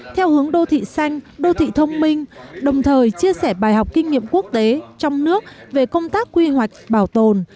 theo hướng đô thị xanh đô thị thông minh đồng thời chia sẻ bài học kinh nghiệm quốc tế trong nước về công tác quy hoạch bảo tồn